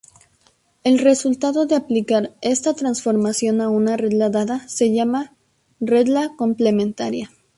El resultado de aplicar esta transformación a una regla dada se llama regla complementaria.